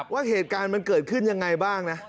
ว่าเหตุการณ์มันเกิดขึ้นยังไงบ้างนะ